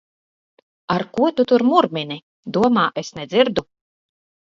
Ar ko tu tur murmini? Domā, es nedzirdu!